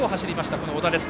この小田です。